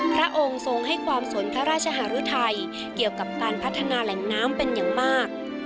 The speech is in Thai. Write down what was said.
พระองค์ทรงให้ความสนพระราชหารุทัยเกี่ยวกับการพัฒนาแหล่งน้ำเป็นอย่างมาก